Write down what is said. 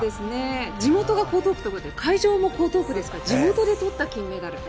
地元も江東区で会場も江東区ですから地元でとった金メダル。